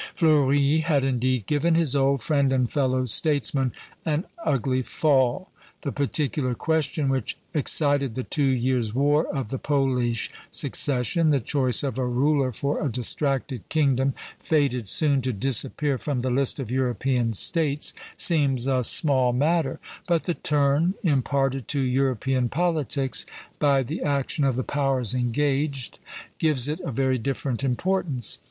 Fleuri had indeed given his old friend and fellow statesman an ugly fall. The particular question which excited the two years' War of the Polish Succession, the choice of a ruler for a distracted kingdom fated soon to disappear from the list of European States, seems a small matter; but the turn imparted to European politics by the action of the powers engaged gives it a very different importance.